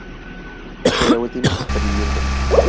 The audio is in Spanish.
Fue la última superviviente.